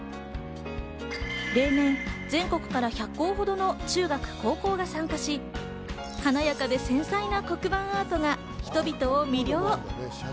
例年、全国から１００校ほどの中学、高校が参加し、華やかで繊細な黒板アートが人々を魅了。